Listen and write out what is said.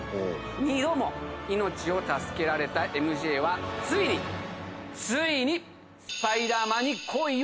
二度も命を助けられたＭＪはついについに。